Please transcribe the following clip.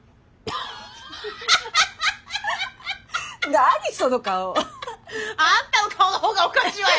何その顔。あんたの顔のほうがおかしいわよ。